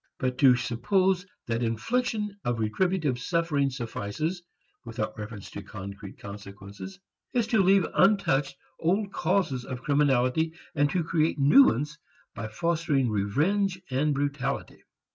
But to suppose that infliction of retributive suffering suffices, without reference to concrete consequences, is to leave untouched old causes of criminality and to create new ones by fostering revenge and brutality.